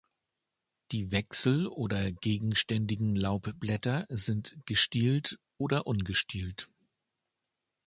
Die wechsel- oder gegenständigen Laubblätter sind gestielt oder ungestielt.